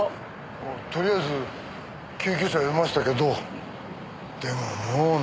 あっとりあえず救急車を呼びましたけどでももうね。